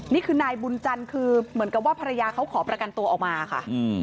นี่คือนายบุญจันทร์คือเหมือนกับว่าภรรยาเขาขอประกันตัวออกมาค่ะ